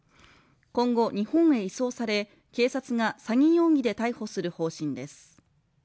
今後日本へ移送され警察が詐欺容疑で逮捕する方針です